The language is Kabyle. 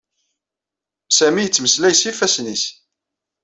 Sami yettmeslay s yifassen-is.